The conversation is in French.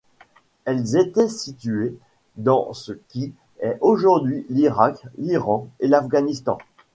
Elles étaient situées dans ce qui est aujourd'hui l'Irak, l'Iran et l'Afghanistan.